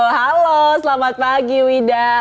halo selamat pagi wida